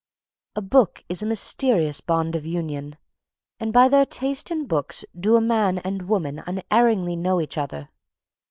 A book is a mysterious bond of union, and by their taste in books do a man and woman unerringly know each other.